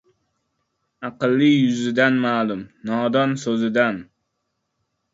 • Aqlli yuzidan ma’lum, nodon ― so‘zidan.